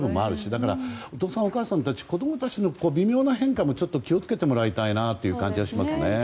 だからお父さん、お母さんたち子供たちの微妙な変化にも気を付けていただきたいなと感じますね。